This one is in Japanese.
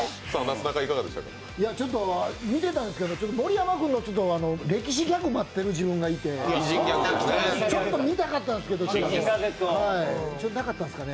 見てたんですけど盛山君の歴史ギャグ待っていた自分がいて見たかったんですけどなかったですかね。